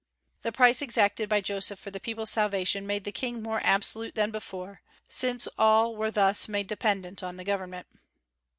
The price exacted by Joseph for the people's salvation made the King more absolute than before, since all were thus made dependent on the government.